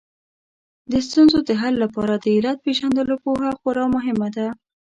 د ستونزو د حل لپاره د علت پېژندلو پوهه خورا مهمه ده